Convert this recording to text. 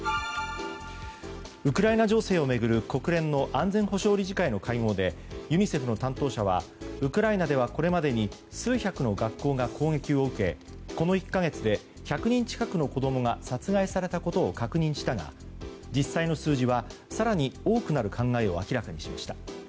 ウクライナ情勢を巡る国連の安全保障理事会の会合でユニセフの担当者はウクライナではこれまでに数百の学校が攻撃を受けこの１か月で１００人近くの子供が殺害されたことを確認したが実際の数字は更に多くなる考えを明らかにしました。